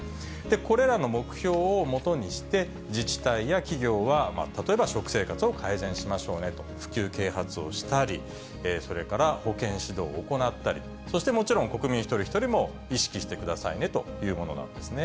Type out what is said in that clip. これらの目標をもとにして、自治体や企業は例えば食生活を改善しましょうねと、普及・啓発をしたり、それから保健指導を行ったり、そしてもちろん、国民一人一人も意識してくださいねというものなんですね。